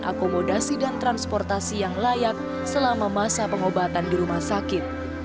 akomodasi dan transportasi yang layak selama masa pengobatan di rumah sakit